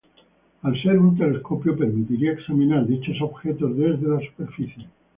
Al ser un telescopio permitiría examinar dichos objetos desde la superficie.